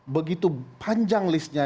begitu panjang listnya